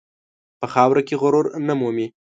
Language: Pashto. په خاوره کې غرور نه مومي.